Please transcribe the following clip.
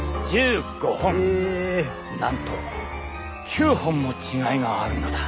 なんと９本も違いがあるのだ。